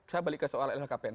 saya balik ke soal lhkpn